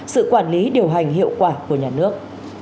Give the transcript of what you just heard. sự quản lý điều hành hiệu quả của nhà nước